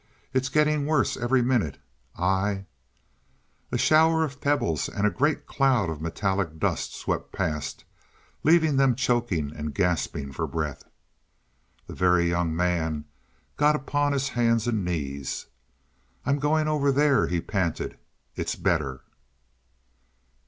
It's getting worse every minute. I " A shower of pebbles and a great cloud of metallic dust swept past, leaving them choking and gasping for breath. The Very Young Man got upon his hands and knees. "I'm going over there," he panted. "It's better."